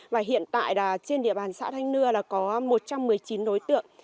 và hiện tại trên địa bàn xã thanh nưa là có một trăm một mươi chín đối tượng